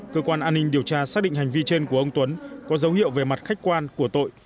cơ quan an ninh điều tra xác định hành vi trên của ông tuấn có dấu hiệu về mặt khách quan của tội